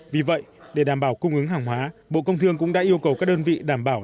vì vậy để đảm bảo cung ứng hàng hóa bộ công thương cũng đã yêu cầu các đơn vị đảm bảo